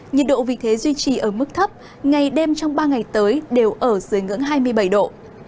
nhiệt độ vì thế duy trì ở mức thấp ngày đêm trong ba ngày tới đều ở dưới ngưỡng hai mươi bảy độ